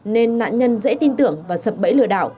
nên nạn nhân dễ tin tưởng và sập bẫy lừa đảo